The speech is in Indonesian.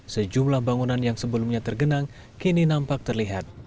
sejumlah bangunan yang sebelumnya tergenang kini nampak terlihat